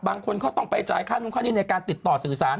บางคนเขาต้องไปจ่ายค่านู้นค่านี้ในการติดต่อสื่อสาร